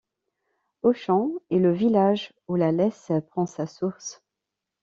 Ochamps est le village où la Lesse prend sa source.